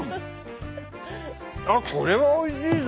あこれはおいしいぞ！